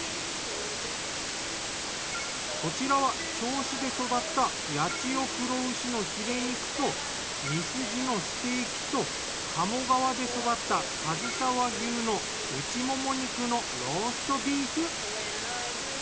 こちらは銚子で育った八千代黒牛のヒレ肉とみすじのステーキと鴨川で育ったかずさ和牛の内もも肉のローストビーフ。